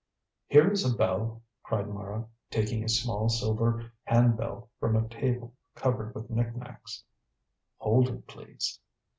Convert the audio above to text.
"Here is a bell!" cried Mara, taking a small silver hand bell from a table covered with nicknacks. "Hold it, please."